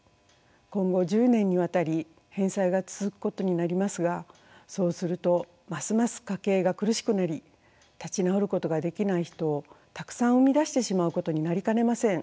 今後１０年にわたり返済が続くことになりますがそうするとますます家計が苦しくなり立ち直ることができない人をたくさん生み出してしまうことになりかねません。